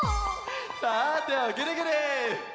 さあてをぐるぐる！